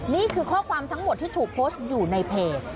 นี่คือข้อความทั้งหมดที่ถูกโพสต์อยู่ในเพจ